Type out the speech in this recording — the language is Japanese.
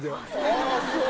ああそう。